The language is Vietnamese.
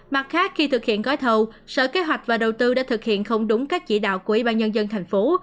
mặt khác khi thực hiện gói thầu sở kế hoạch và đầu tư đã thực hiện không đúng các chỉ đạo của ủy ban nhân dân thành phố